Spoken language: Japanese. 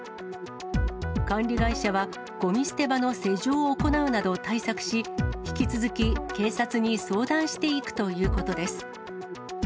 管理会社はごみ捨て場の施錠を行うなど対策し、引き続き警察に相談していくということです。